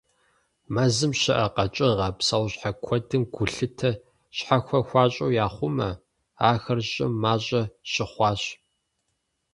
Мэзым щыӀэ къэкӀыгъэ, псэущхьэ куэдым гулъытэ щхьэхуэ хуащӀу яхъумэ: ахэр щӀым мащӀэ щыхъуащ.